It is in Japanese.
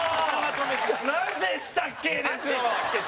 なんでしたっけ？ですよ。